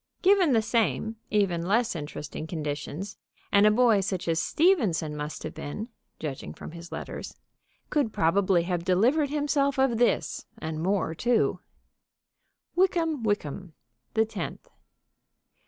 Given the same, even less interesting conditions, and a boy such as Stevenson must have been (judging from his letters) could probably have delivered himself of this, and more, too: Wyckham Wyckham, _The Tenth.